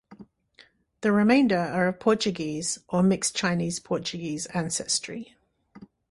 The remainder are of Portuguese or mixed Chinese-Portuguese ancestry.